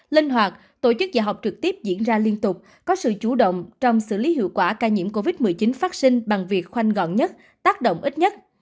linh hoạt tổ chức dạy học trực tiếp diễn ra liên tục có sự chủ động trong xử lý hiệu quả ca nhiễm covid một mươi chín phát sinh bằng việc khoanh gọn nhất tác động ít nhất